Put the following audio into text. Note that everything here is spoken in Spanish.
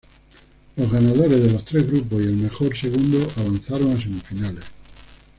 Los ganadores de los tres grupos y el mejor segundo avanzaron a semifinales.